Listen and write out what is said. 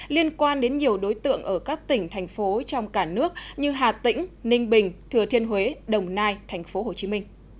liên quan đến nhiều đối tượng ở các tỉnh thành phố trong cả nước như hà tĩnh ninh bình thừa thiên huế đồng nai tp hcm